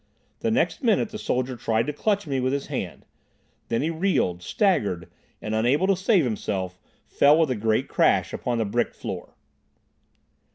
The next minute the soldier tried to clutch me with his hand. Then he reeled, staggered, and, unable to save himself, fell with a great crash upon the brick floor.